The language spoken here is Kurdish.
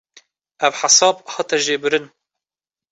Ev hesab hate jêbirin.